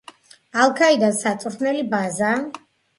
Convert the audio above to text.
ალ-ქაიდას საწვრთნელი ბაზა.